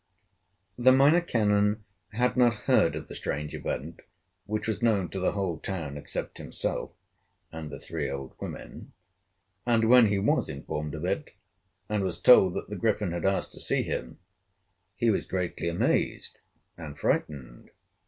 The Minor Canon had not heard of the strange event, which was known to the whole town except himself and the three old women, and when he was informed of it, and was told that the Griffin had asked to see him, he was greatly amazed, and frightened.